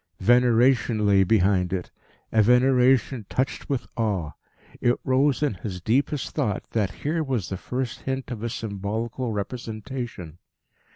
Veneration lay behind it, a veneration touched with awe. It rose in his deepest thought that here was the first hint of a symbolical representation.